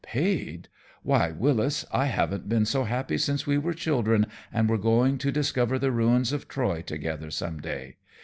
"Paid? Why, Wyllis, I haven't been so happy since we were children and were going to discover the ruins of Troy together some day.